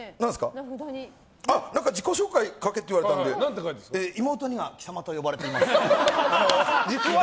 自己紹介書けと言われたので妹には貴様と呼ばれていますと。